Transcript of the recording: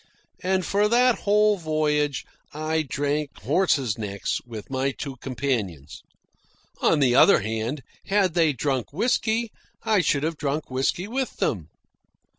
And for that whole voyage I drank horse's necks with my two companions. On the other hand, had they drunk whisky, I should have drunk whisky with them.